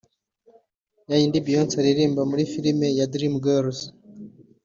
ya yindi Beyoncé aririmba muri film ya Dreamgirls